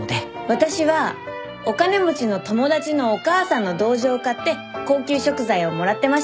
私はお金持ちの友達のお母さんの同情を買って高級食材をもらってました。